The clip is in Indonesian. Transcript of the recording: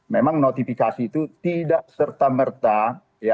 memang notifikasi itu tidak serta merta